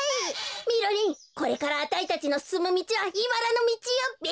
みろりんこれからあたいたちのすすむみちはいばらのみちよべ。